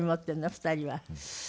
２人は。